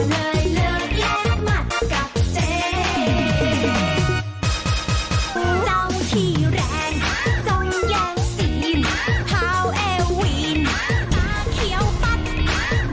พร้าวเอวีนตาเขียวปั๊ด